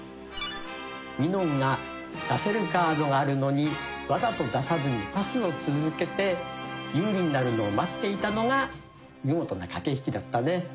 みのんが出せるカードがあるのにわざと出さずにパスを続けて有利になるのを待っていたのが見事な駆け引きだったね。